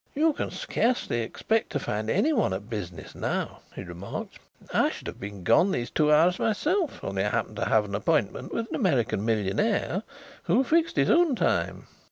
"You can scarcely expect to find anyone at business now," he remarked. "I should have been gone these two hours myself only I happened to have an appointment with an American millionaire who fixed his own time."